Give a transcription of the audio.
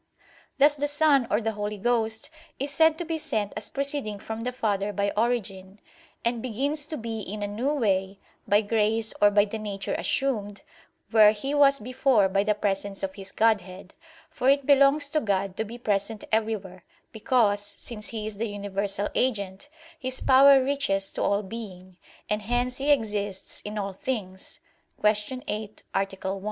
Thus the Son, or the Holy Ghost is said to be sent as proceeding from the Father by origin; and begins to be in a new way, by grace or by the nature assumed, where He was before by the presence of His Godhead; for it belongs to God to be present everywhere, because, since He is the universal agent, His power reaches to all being, and hence He exists in all things (Q. 8, A. 1).